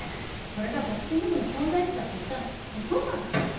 それがボクシング部の存在意義だって言ったのお父さんじゃない。